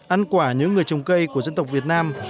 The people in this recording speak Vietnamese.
ăn quả nhớ người trồng cây của dân tộc việt nam